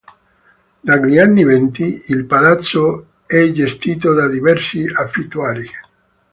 Dagli anni Venti il palazzo è gestito da diversi affittuari.